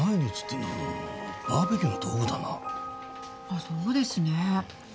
あっそうですね。